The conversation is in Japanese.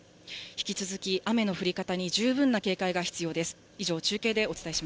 引き続き、雨の降り方に十分な警戒が必要です。